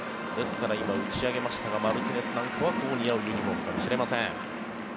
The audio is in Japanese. ですから、今、打ち上げましたがマルティネスなんかは合うユニホームかもしれません。